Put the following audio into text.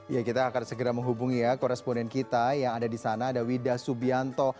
ya kita akan segera menghubungi ya koresponden kita yang ada di sana ada wida subianto